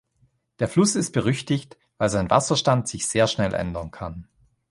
Der Fluss ist berüchtigt, weil sein Wasserstand sich sehr schnell ändern kann.